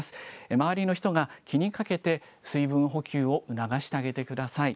周りの人が気にかけて、水分補給を促してあげてください。